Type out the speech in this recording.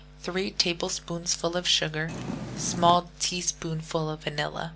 3 tablespoonfuls of sugar. Small teaspoonful of vanilla.